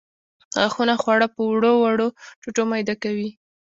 غاښونه خواړه په وړو وړو ټوټو میده کوي.